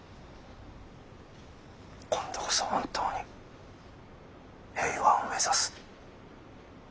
今度こそ本当に平和を目指す。